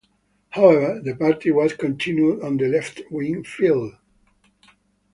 However, the party has continued on the left-wing field.